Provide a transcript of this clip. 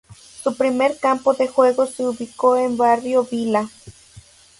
Su primer campo de juego se ubicó en Barrio Vila.